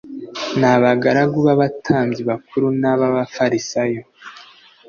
n abagaragu b abatambyi bakuru n ab abafarisayo